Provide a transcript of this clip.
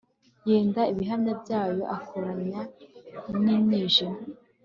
yenda ibihaha byayo arakoranya n'imyijima